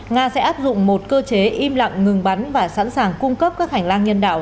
nga sẽ áp dụng một cơ chế im lặng ngừng bắn và sẵn sàng cung cấp các hành lang nhân đạo